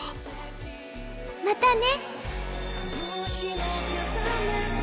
またね。